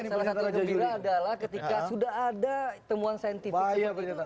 salah satu yang gembira adalah ketika sudah ada temuan saintifik seperti itu